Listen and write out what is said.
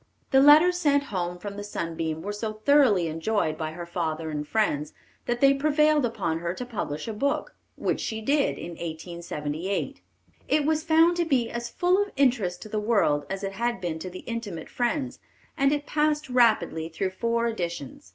The letters sent home from the Sunbeam were so thoroughly enjoyed by her father and friends, that they prevailed upon her to publish a book, which she did in 1878. It was found to be as full of interest to the world as it had been to the intimate friends, and it passed rapidly through four editions.